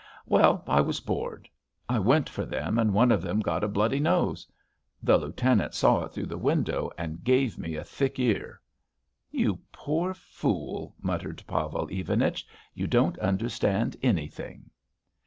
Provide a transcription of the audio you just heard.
Well, I was bored. I went for them and one of them got a bloody nose. The lieutenant saw it through the window and gave me a thick ear." "You poor fool," muttered Pavel Ivanich. "You don't understand anything."